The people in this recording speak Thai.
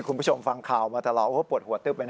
คุณผู้ชมฟังข่าวมาตลอดโอ้โหปวดหัวตึ๊บไปนะ